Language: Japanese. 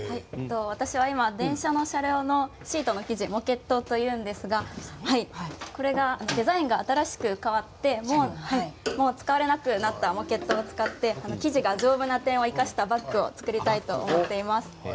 私は今電車の車両のシートの生地デザインが新しく変わってもう使われなくなったものを使って生地が丈夫な点を生かしたバッグを作りたいと思っています。